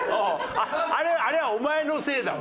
あれはお前のせいだ。